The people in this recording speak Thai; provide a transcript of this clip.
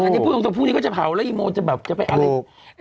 จริงพวกนี้ก็จะเผาแล้วอีโมงจะแบบจะไปอะไร